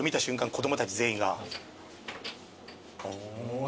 子供たち全員がお。